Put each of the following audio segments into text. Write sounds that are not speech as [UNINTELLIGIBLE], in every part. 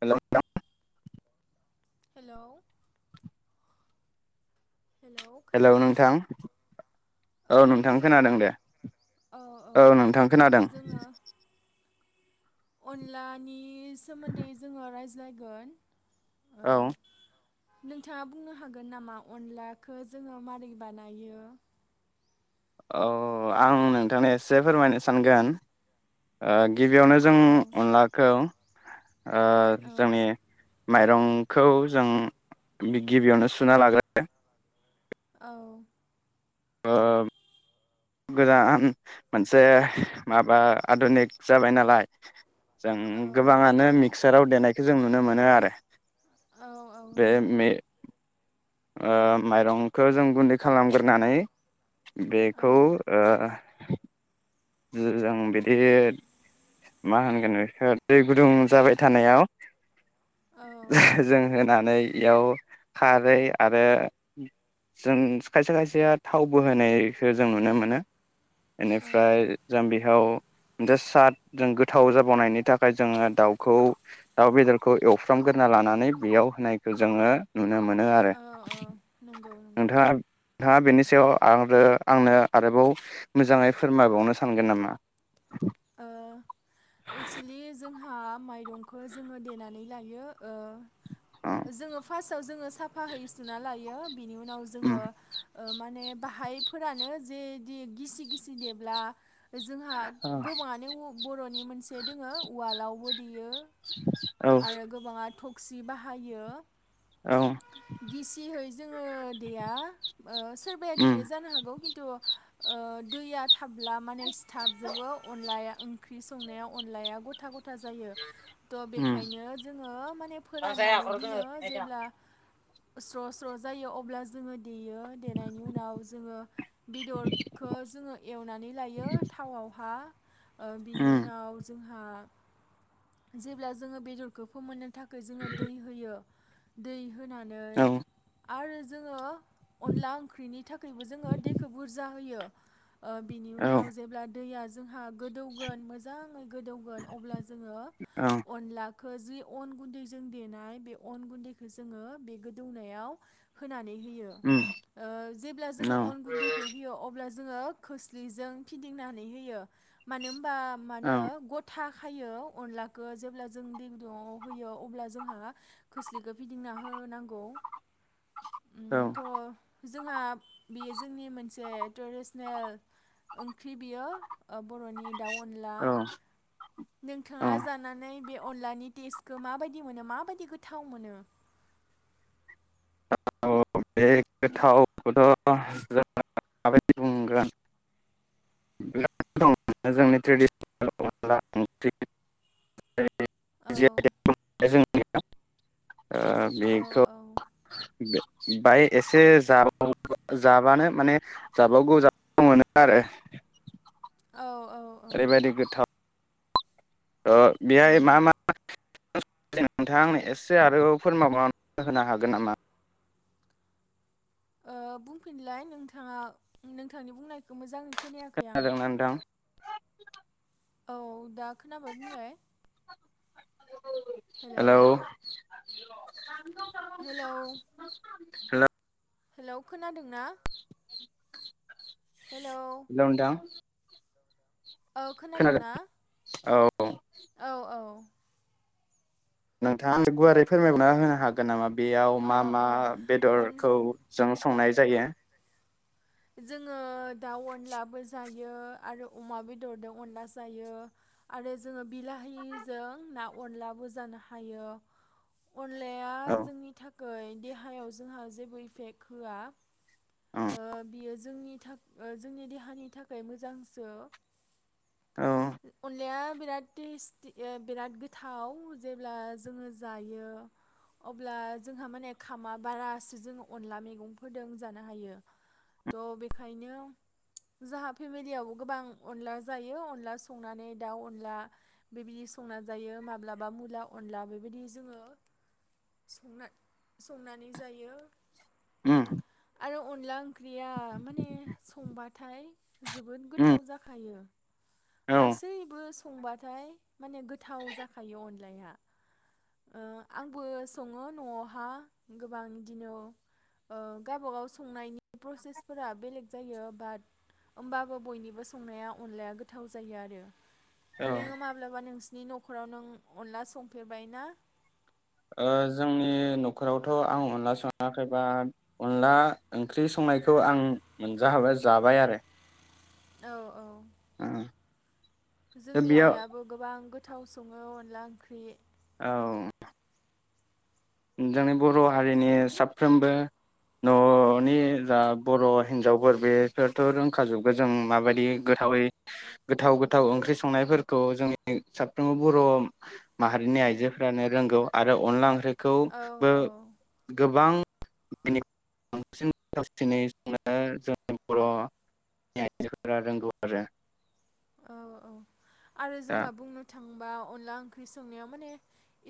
हेल नोंथां hello hello खोनादोंना औ ओ नोंथां खोनादोंना खोनादों दे औ औ नोंथां ओ खोनादों जोङो अनलानि सोमोन्दै जोङो रायज्लायगोन ओ औ नोंथाङा बुंनो हागोन नामा अनलाखो जोङो मारै बानायो औ आं नोंथां एसे फोरमायनो सानगोन ओ गिबियावनो जों औ अनलाखौ ओ औ जोंनि माइरंखौ जों गिबियावनो सुना लाग्रो औ ओ गोदान मोनसे माबा आधुनिक जाबाय नालाय जों औ गोबाङानो मि मिक्साराव देनायखौ जों नुनो मोनो आरो औ औ बे नंगौ मे ओ माइरंखौ जों गुनदै खालामग्रोनानै औ बेखौ ओ [INAUDIBLE] जों बिदि मा होनगोन बेखौ दै गुदुं जाबाय थानायाव औ जों होना। नै इयाव खारै आरो जों खायसे खायसेया थावबो होनायखौ जों नुनो मोनो औ बेनिफ्राय जों बेहाव गोसाद जों गोथाव जाबावनायनि थाखाय जोङो दाउखौ दाउ बेदरखौ एवफ्रामग्रोना लानानै बेयाव होनायखौ जोङो नुनो मोनो आरो। औ औ नंगौ नंगौ नोंथाङा नोंथाङा बेनि सायाव आरो आंनो आरोबाव मोजाङै फोरमायबावनो सान सानगोन नामा? ओ एक्सुलि जोंहा हा माइरंखौ जोङो देनानै लायो औ ओ जोङो फार्स्टाव जोङो साफाहै सुना लायो बिनि उनाव जोङो ओ माने बाहायफोरानो जेदि गिसि गिसि देब्ला जोंहा गोबाङानो उ बरनि मोनसे दोङो उवालावबो देयो आरो गोबाङा थप सि बाहायो। औ गिसियै जोङो देया ओ सोरबाया देयो जानो हागौ खिन्थु ओ दैया थाबब्ला माने सिथाबजोबो अनलाया ओंख्रि संनायाव अनलाया गथा गथ गथा जायो थ बेखायनो जोङो माने फोराननानै दिनो औ जेब्ला स्र स्र जायो अब्ला जोङो देयो देनायनि उनाव जोङो बेदरखो जोङो एवनानै लायो थावावहा। ओ बिनि उम उनाव जोंहा जेब्ला जोङो बेदरखौ फोमोननो थाखाय जोङो दै होयो दै होनानै औ आरो जोङो अनला ओंख्रिनि थाखायबो जोङो दैखौ बुरजा होयो ओ बिनि औ उनाव जेब्ला दैया ज जोंहा गोदौगोन मोजाङै गोदौगोन अब्ला जोङो औ अनलाख खो जि अन गुनदैजों देनाय बे अन गुनदैखौ जोङो बे गोदौनायाव होनानै होयो उम ओ जेब्ला औ जों अन गुनदैखौ होयो अब्ला जों जोङो खोस्लिजों फिदिनानै होयो मानो होम बा औ मानो गथा खायो अनला खो जेब्ला जों दै गुदुुंआव होयो अब्ला जोंहा खोस्लिखौ फिदिंना होनांगौ। औ ओम थ' जोंहा बेयो जोंनि मोनसे ट्रेडिसनेल ओंख्रि बियो ओ बरनि दाउ अनला। औ औ नोंथाङा जानानै बे अनलानि टेसखौ मा बायदि मोनो मा बायदि गोथाव मोनो? औ बे गोथावखौथ जों माबायदि बुंगोन बिराद दं जोंनि ट्रेडिसनेल अनला ओंख्रि। [UNINTELLIGIBLE] औ [UNINTELLIGIBLE] ओ औ बेखौ औ [UNINTELLIGIBLE] बाय एसे जाबाव जाबानो माने जाबावगौ जाबावगौ मोनो आरो। औ औ औ ओरैबादि गोथाव। ओ उम बेहाय मा मा नोंथांङा एसे आरोबाव फोरमायबावना होनो हागोन नामा? ओ बुंफिनलाय नोंथाङा नोंथांनि बुंनायखौ मोजां खोनायाखै आं। खोनादोंना [INAUDIBLE] औ दा खोनाबाय बुंलाय हेलौ [UNINTELLIGIBLE] हेलौ हेल हेलौ खोनादों ना? हेलौ नोंथां औ खोनादों खोनादोंना औ औ औ नोंथाङा गुवारै फोरमायबना होनो हागोन नामा बेयाव अ मा मा अ अन बेदरखौ जों संनाय जायो। जोङो दाउ अनलाबो जायो आरो अमा बेदरजों अनला जायो आरो जोङो बिलाहिजों ना अनलाबो जानो हायो। अनलाया औ जोंनि थाख खै देहायाव जोंहा जेबो इफेक्ट होआ औ ओ जोंनि थाख ओ जोंनि देहानि थाखाय मोजांसो औ अनलाया बिराद टेस्टि बिराद गोथाव जेब्ला जोङो जायो अब्ला जोंहा माने खामा बारासो जोङो अनला मैगंफोरदों जानो हायो थ बेखायनो जोंहा फेमिलियावबो गोबां अनला जायो अनला संनानै दाउ अनला बेबायदि संना जायो माब्लाबा मुला अनला बेबायदि जोङो संना संनानै जायो। ओ आरो अनला ओंख्रि या माने संबाद नाथाय जोबोद उम गोथाव जाखायो औ गासैबो सुबुं संबाथाय माने गोथाव जाखायो अनलाया आंबो सङो नआवहा गोबां बिदिनो ओ गावबागाव संनायनि प्रसेसफोरा बेलेग जायो बाट होमबाबो बयनिबो संनाया अनलाया गो गोथाव जायो आरो औ नोङो माब्लाबा नोंसि नि नखराव नों अनला संफेरबाय ना ओ जोंनि नखरावथ आं अनला सङाखैबा अनला ओंख्रि संनायखौ आं मोनजाहाबाय जाबाय आरो औ औ ओ दा जोंनि बेयाव आइयाबो गोबां गोथ थाव सङो अनला ओंख्रि औ जोंनि बर' हारिनि साफ्रोमबो ननि जा बर हिनजावफोर बेफोरथ रोंखाजोबगोन जों माबायदि गोथावै गोथाव गोथाव ओंख्रि संनायफोरखौ जोंनि साफ्रोमबो बर माहारिनि आइजोफ्रानो रोंगौ आरो अनला ओंख्रि औ खौबो औ गोबां बेनि बांसिन गोथावसिनै संनो जोंनि बरनि आइजोफोरा रोंगौ आरो औ औ आरो दा जोंहा बुंनो थां बा अनला ओं संनायाव माने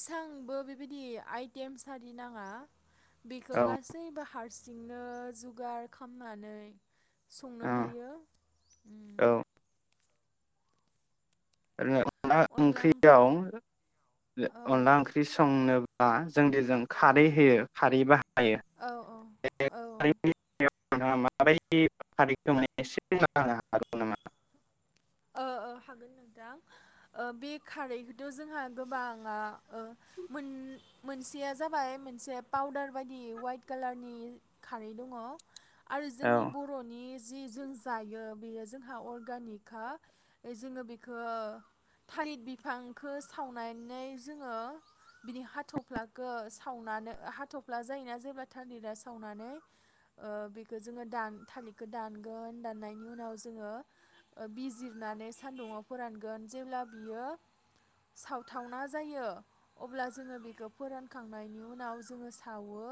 इसेबांबो बेबायदि आइटेमस नाङा बिखौ औ गासैबो हार हारसिंनो जुगार खामनानै संनो औ हायो औ [UNINTELLIGIBLE] अनला ओंख्रियाव औ अनला ओंख्रि संनो जोंदि जों खारै होयो खारै बाहा औ औ औ नोंथाङा माबायदि खारै सङो नोंथाङा एसे बुंनो हागोन नामा ओ ओ हागोन नोंथां बे ओ खारैखोथ जोंहा गोबाङा ओ मोन मोनसेया जाबाय मोनसे पाउदार बायदि वाइट कालारनि खारै दङ आरो औ जोंनि बरनि जि जों जायो बेयो जोंहा अर्गानिक खा जोङो बेखो थालिर बिफांखो सावनानै जोङो बिनि हाथफ्लाखौ सावनानै हाथफ्ला जायोना जेब्ला थालिरा सावनानै बेखौ जोङोन थालिरखौ दानगोन दाननायनि उनाव जोङो बिजिरनानै सान्दुङाव फोरानगोन जेब्ला बियो सावथावना जायो अब्ला जोङो बेखौ फोरानखांनायनि उनाव जोङो सावो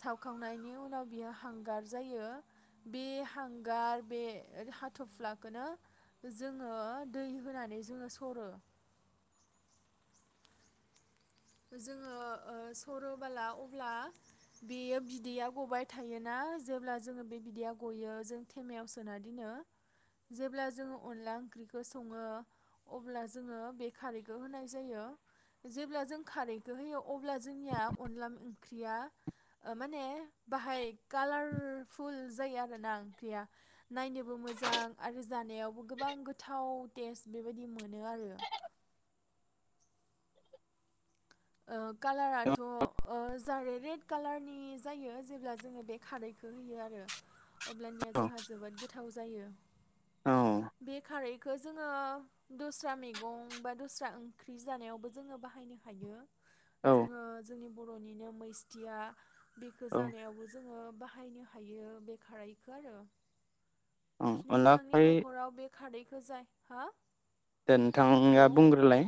सावखांनायनि उनाव बियो हांगार जायो बे हांगार बे हाथफ्लाखौनो जोङो दै होनानै जोङो सरो जोङो सरोबोला अब्ला बेयो बिदैया गबाय थायोना जेब्ला जोङो बे बिदैया गयो जों थेमायाव सोना दोनो जेब्ला जोङो अनला ओंख्रिखौ सङो अब्ला जोङो बे खारैखौ होनाय जायो जेब्ला जों खारैखौ होयो अब्ला जोंनिया अनला ओंख्रिया माने बाहाय कालार फुल फुल जायो आरोना ओंख्रिया नायनोबो मोजां आरो जानायावबो गोबां गोथाव टेस्ट बेबायदि मोनो आरो ओ कालाराथ ओ जारे रेड कालारनि जायो जेब्ला जोङो बे खारैखौ होयो आरो अब्लानिया जोंहा जोबोद गोथाव जायो औ बेखारै खो जोङो दस्रा मैगं बा दस्रा ओंख्रि जानायावबो जोङो बाहायनो हायो औ जोंङो जोंनि बरनिनो मैस्थिया बेखौ औ जानायावबो जोङो बाहायनो हायो बे खारैखौ आरो औ अनला नोंथांनि खारै न'खराव बे खारदैखौ जाय हा दे नोंथाङा हेलौ बुंग्रोलाय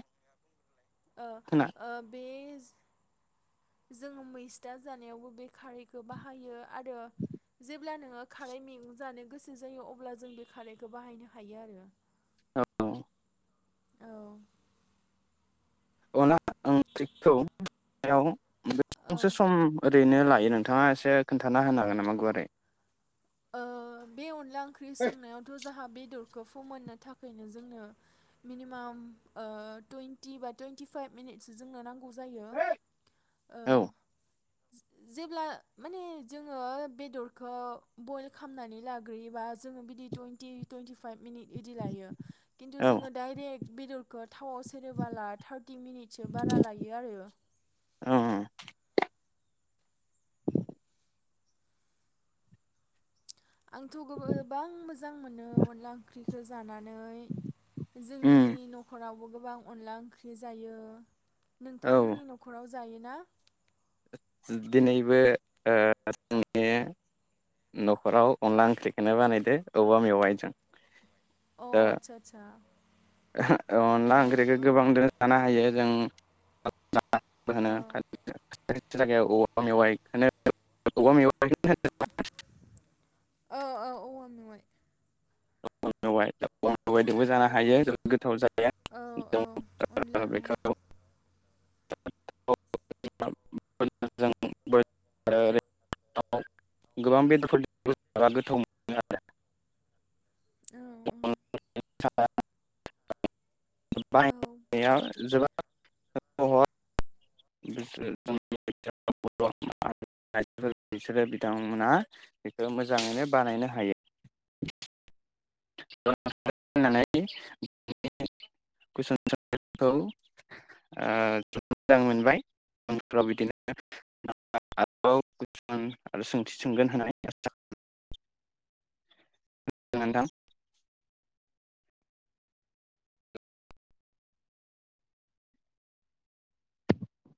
खोना फेज जोङो मैस्था जानायावबो बे खारैखो बाहायो आरो जे जेब्ला नोङो खारै मेंग जानो गोसो जायो अब्ला जों बे खारैखौ बाहायनो हायो आरो औ औ अनला ओंख्रिखौ बेसांसो औ सम [UNINTELLIGIBLE] ओरैनो लायो नोंथाङा एसे खोन्थाना होनो हागोन नामा गुवारै ओ बे अनला ओंख्रि सोंनायावथ जोंहा बेदर फोमोननो थाखायनो जोंनो मिनिमाम ओ टुइनटि बा टुइन्टि फाइभ मिनिटसो जोंनो नांगौ जायो ओ औ जेब्ला माने जोङो बेदरखौ बइल खालामनानै लाग्रोयोबा जोङो बिदि टुइेनन्टि टुइन्टिफाइभ मिनिट इदि लायो खिन्थु औ जोङो डाइरेक्ट बिदरखो थावआव सेरोबोला थार्टि मिनिटसो बारा लायो आरो औ आंथ गोबां मोजां मोनो अनला ओंख्रिखौ जाना नै जोंनि उम नखरावबो गोबां अनला ओंख्रि जायो औ नोंथांमोननि नखराव जायोना? दिनैबो ओ जोंनि नखराव अनला ओंख्रिखौनो बानायदो औवा मेवाइजों अ आदसा आदसा ओ औ अनला ओंख्रिखौ गोबांदों जानो हायो जों औ होनो [INAUDIBLE] जायगायाव औवा मेवायखौनो औवा मेवाय [UNINTELLIGIBLE] मै औवा मेवाय [UNINTELLIGIBLE] सगायदोंबो जानो औ हायो जोबोद गोथाव औ औ अनला [INAUDIBLE] बेखौ [UNINTELLIGIBLE] गोबां बेदरफोर गोथाव मोनो आरो ओं औ [UNINTELLIGIBLE] औ बाहायनाया जोबा [UNINTELLIGIBLE] बिसोरो बिथांमोना बेखौ मोजाङैनो बानायनो हायो [UNINTELLIGIBLE] कुइसन सोंनायखौ अ मोजां मोनबाय उनफोराव बिदिनो [UNINTELLIGIBLE] सोंथि सोंगोन होननानै [INAUDIBLE] [UNINTELLIGIBLE] नोथां